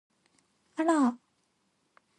あら！